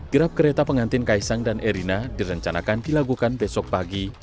gerab kereta pengantin kaisang dan erina direncanakan dilakukan besok pagi